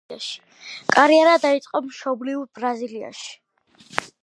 კარიერა დაიწყო მშობლიურ ბრაზილიაში.